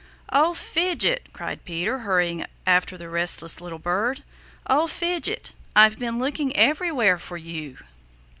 "Oh, Fidget!" cried Peter, hurrying after the restless little bird. "Oh, Fidget! I've been looking everywhere for you."